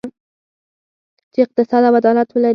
چې اقتصاد او عدالت ولري.